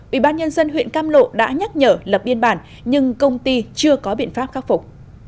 ủy ban nhân dân huyện cam lộ đã nhắc nhở lập biên bản nhưng công ty chưa có biện pháp khắc phục